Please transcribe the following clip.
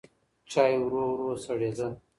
چای ورو ورو سړېده.